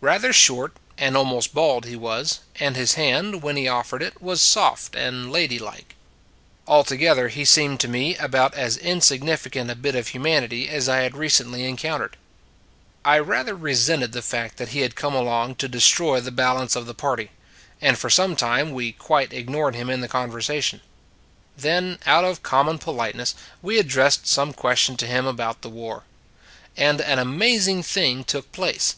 Rather short, and almost bald he was, and his hand, when he offered it, was soft and ladylike. Altogether, he seemed to me about as in significant a bit of humanity as I had re cently encountered. I rather resented the fact that he had come along to destroy the balance of the party; and for some time we quite ignored him in the conversation. Then, out of common politeness, we addressed some question to him about the war. And an amazing thing took place.